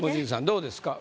どうですか？